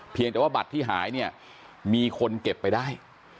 แต่ว่าบัตรที่หายเนี่ยมีคนเก็บไปได้